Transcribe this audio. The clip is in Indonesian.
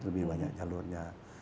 lebih banyak jalurnya